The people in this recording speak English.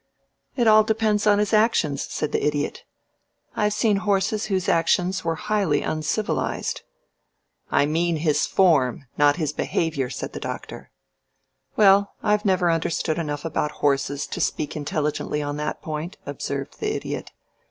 "It all depends on his actions," said the Idiot. "I've seen horses whose actions were highly uncivilized." "I mean his form not his behavior," said the Doctor. "Well, I've never understood enough about horses to speak intelligently on that point," observed the Idiot.